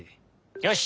よし！